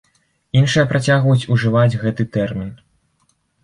Іншыя працягваюць ужываць гэты тэрмін.